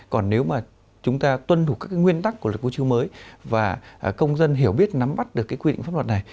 còn nếu mà chúng ta tuân thục các nguyên tắc của luật cư chú mới và công dân hiểu biết nắm bắt được cái quy định pháp luật này